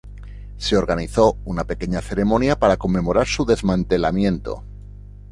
Se organizó una pequeña ceremonia para conmemorar su desmantelamiento.